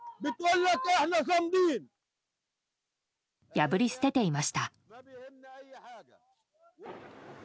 破り捨てていました。